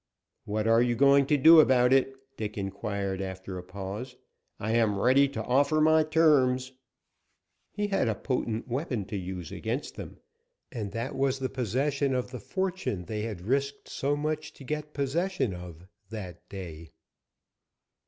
"What are you going to do about it?" Dick inquired, after a pause. "I am ready to offer my terms." He had a potent weapon to use against them, and that was the possession of the fortune they had risked so much to get possession of that day.